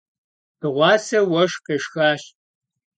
Dığuase vueşşx khêşşxaş.